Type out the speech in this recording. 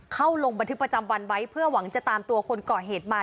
เข้าลงบันทึกประจำวันไว้เพื่อหวังจะตามตัวคนก่อเหตุมา